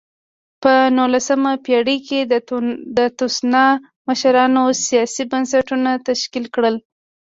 په نولسمه پېړۍ کې د تسوانا مشرانو سیاسي بنسټونه تشکیل کړل.